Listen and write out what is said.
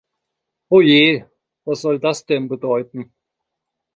Ohje, was soll das denn bedeuten.